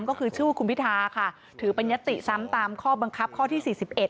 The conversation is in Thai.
ก็คือชื่อคุณพิทาค่ะถือเป็นยัตติซ้ำตามข้อบังคับข้อที่๔๑